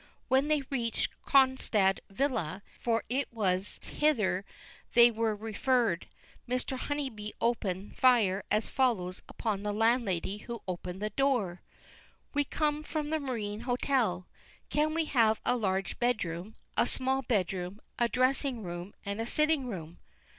When they reached Cronstadt Villa for it was hither they were referred Mr. Honeybee opened fire as follows upon the landlady who opened the door: "We come from the Marine Hotel. Can we have a large bed room, a small bed room, a dressing room and a sitting room?"